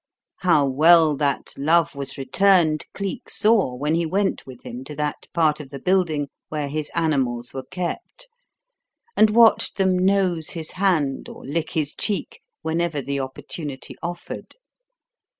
How well that love was returned, Cleek saw when he went with him to that part of the building where his animals were kept, and watched them "nose" his hand or lick his cheek whenever the opportunity offered.